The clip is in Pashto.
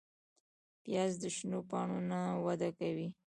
پیاز د شنو پاڼو نه وده کوي